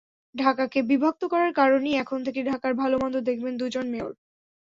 ঢাকাকে বিভক্ত করার কারণেই এখন থেকে ঢাকার ভালো মন্দ দেখবেন দুজন মেয়র।